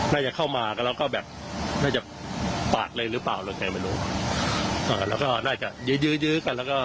แล้วก็น่าจะยื้อกันแล้วก็